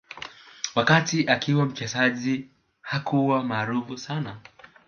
Wakati akiwa mchezaji hakuwa maarufu sana